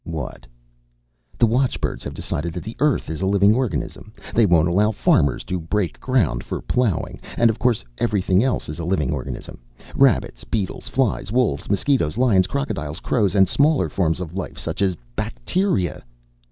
"What?" "The watchbirds have decided that the Earth is a living organism. They won't allow farmers to break ground for plowing. And, of course, everything else is a living organism rabbits, beetles, flies, wolves, mosquitoes, lions, crocodiles, crows, and smaller forms of life such as bacteria."